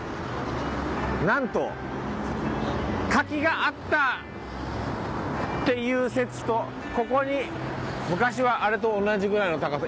なんと柿があったっていう説とここに昔はあれと同じぐらいの高さ